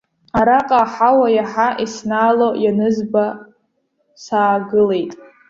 Араҟа аҳауа иаҳа иснаало ианызба саагылеит.